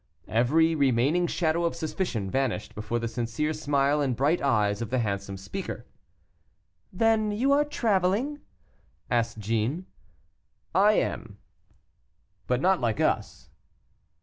Every remaining shadow of suspicion vanished before the sincere smile and bright eyes of the handsome speaker. "Then you are traveling?" asked Jeanne. "I am." "But not like us?"